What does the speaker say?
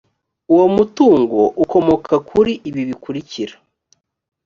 uwo mutungo ukomoka kuri ibi bikurikira